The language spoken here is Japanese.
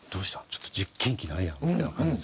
ちょっと元気ないやん」みたいな感じ。